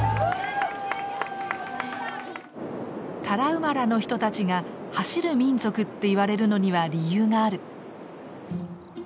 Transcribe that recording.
タラウマラの人たちが走る民族っていわれるのには理由がある。